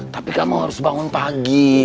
tapi kamu harus bangun pagi